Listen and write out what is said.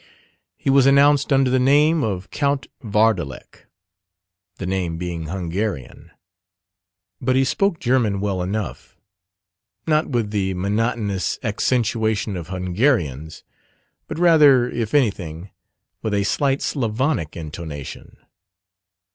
He was announced under the name of Count Vardalek the name being Hungarian. But he spoke German well enough: not with the monotonous accentuation of Hungarians, but rather, if anything, with a slight Slavonic intonation.